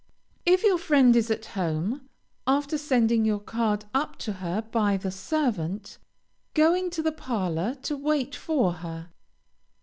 If your friend is at home, after sending your card up to her by the servant, go into the parlor to wait for her.